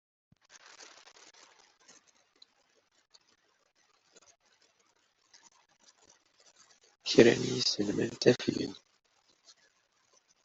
Kra n yiselman ttafgen.